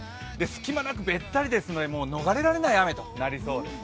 隙間なくべったりなので逃れられない雨となりそうです。